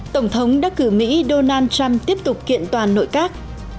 tổng thống đắc cử mỹ donald trump tiếp tục kiện toàn nội các